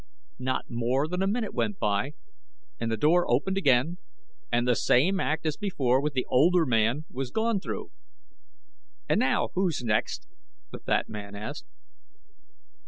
Not more than a minute went by, and the door opened again and the same act as before with the older man was gone through. "And now, who's next?" the fat man asked.